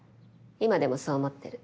今でもそう思ってる。